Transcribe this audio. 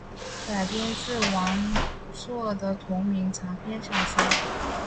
改编自王朔的同名长篇小说。